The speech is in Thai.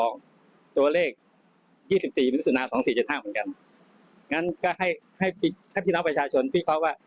นี่ก็ได้สินิสุนา๒๔๗๕เหมือนกันงั้นก็ให้ให้ให้พี่น้ำประชาชนภี่ค้าว่า